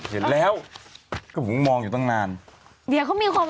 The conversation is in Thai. เห็นแล้วก็ผมมองอยู่ตั้งนานเดี๋ยวเขามีความ